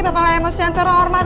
bapak lemos yang terhormat